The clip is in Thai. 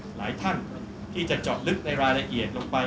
หลายท่านที่จะเจาะลึกในรายละเอียดลงไป